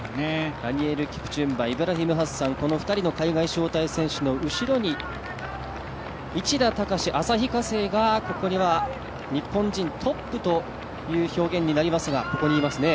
ダニエル・キプチュンバ、イブラヒム・ハッサン、２人の海外の招待選手の後ろに市田孝旭化成がここには日本人トップということになりますが、いますね。